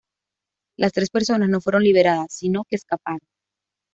Las tres personas no fueron liberadas, sino que escaparon.